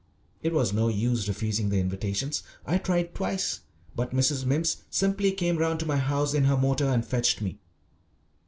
It was no use refusing the invitations. I tried that twice; but Mrs. Mimms simply came round to my house in her motor and fetched me.